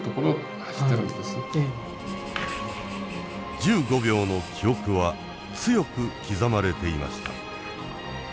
１５秒の記憶は強く刻まれていました。